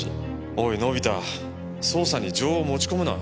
おいのび太捜査に情を持ち込むな。